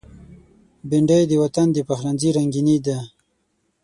بېنډۍ د وطن د پخلنځي رنگیني ده